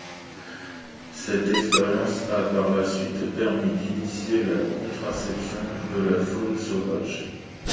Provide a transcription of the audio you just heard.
Cette expérience a, par la suite, permis d'initier la contraception de la faune sauvage.